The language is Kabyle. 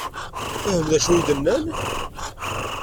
Tfehmemt d acu i d-nnan?